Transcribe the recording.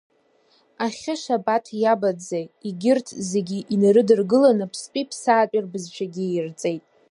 Ахьы Шабаҭ иабаӡӡеи, егьырҭ зегьы инарыдыргыланы, ԥстәи-ԥсаатәи рбызшәагьы иирҵеит.